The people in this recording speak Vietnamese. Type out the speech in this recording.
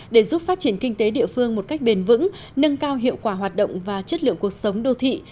để giúp phát triển kinh tế địa phương một cách bền vững nâng cao hiệu quả hoạt động và chất lượng cuộc sống đô thị